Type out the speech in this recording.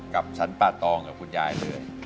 กับฉันป้าตอกกับคุณยายเลย